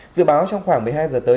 dự báo trong khoảng một mươi hai giờ tới